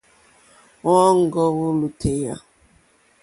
Wɔ́ɔ̌ŋɡɔ́ wó lùtèyà.